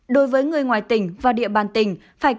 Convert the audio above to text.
đối với người ngoài tỉnh và địa bàn tỉnh